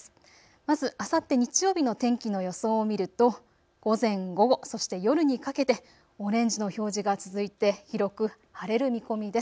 まず、あさって日曜日の天気の予想を見ると午前、午後、そして夜にかけてオレンジの表示が続いて広く晴れる見込みです。